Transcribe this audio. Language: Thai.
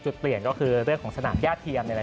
จุดเปลี่ยนก็คือเรื่องของสนามญาติเทียม